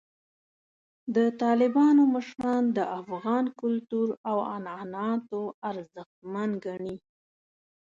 د طالبانو مشران د افغان کلتور او عنعناتو ارزښتمن ګڼي.